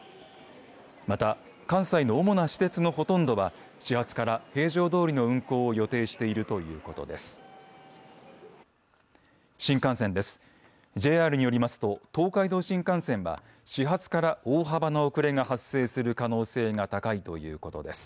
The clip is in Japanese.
また関西の主な私鉄のほとんどが始発から平常どおりの運行を予定しています。